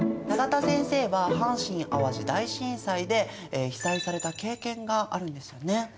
永田先生は阪神・淡路大震災で被災された経験があるんですよね？